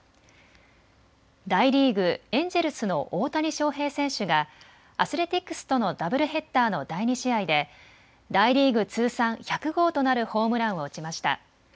大リーグ、エンジェルスの大谷翔平選手がアスレティックスとのダブルヘッダーの第２試合で大リーグ通算１００号となるホームランを打ちました。